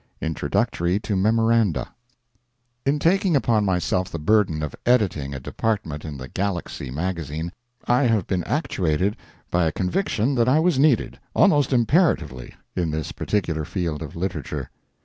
INTRODUCTORY TO "MEMORANDA" In taking upon myself the burden of editing a department in THE GALAXY magazine, I have been actuated by a conviction that I was needed, almost imperatively, in this particular field of literature.